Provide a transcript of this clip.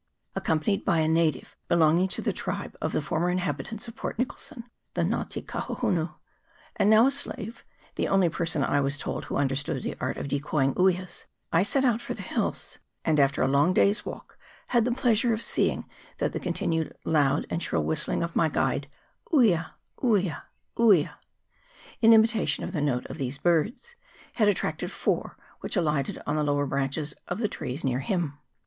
Accompanied by a native belonging to the tribe of the former inhabitants of Port Nicholson, the Nga te Kahohunu, and now a slave, the only per son I was told who understood the art of decoying uias, I* set out for the hills, and, after a long day's walk, had the pleasure of seeing that the continued loud and shrill whistling of my guide, uia, uia, uia, in imitation of the note of the birds, had attracted four, which alighted on the lower branches of the trees near him.